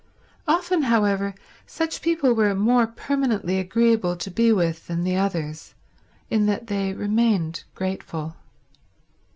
Often, however, such people were more permanently agreeable to be with than the others, in that they remained grateful.